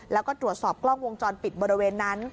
แล้วก็ตรวจสอบกล้องวงจรปิดบริเวณนั้น